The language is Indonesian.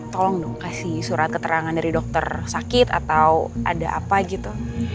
tolong dong kasih surat keterangan dari dokter sakit atau ada apa gitu